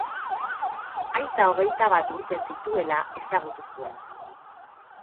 Aita hogeita bat urte zituela ezagutu zuen.